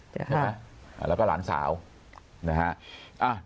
ใช่ไหมแล้วก็หลานสาวนะฮะ